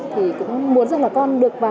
thì cũng muốn rằng là con được vào